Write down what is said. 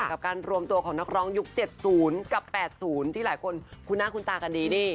กับการรวมตัวของนักร้องยุค๗๐กับ๘๐ที่หลายคนคุ้นหน้าคุณตากันดีนี่